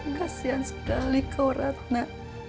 kasian sekali kau ratna